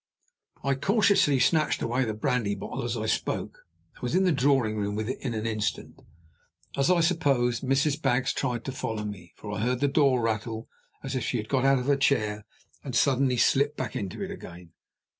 I cautiously snatched away the brandy bottle as I spoke, and was in the drawing room with it in an instant. As I suppose, Mrs. Baggs tried to follow me, for I heard the door rattle, as if she had got out of her chair, and suddenly slipped back into it again.